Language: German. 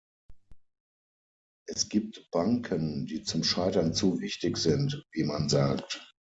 Es gibt Banken, die zum Scheitern zu wichtig sind, wie man sagt.